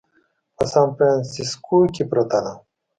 په سان فرانسیسکو کې پرته ده.